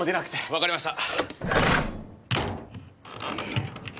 わかりました。